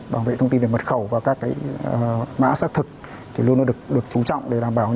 bảo vệ thông tin về mật khẩu và các mã xác thực thì luôn được chú trọng để đảm bảo